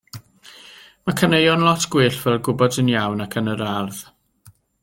Mae caneuon lot gwell fel Gwybod yn Iawn ac Yn yr Ardd.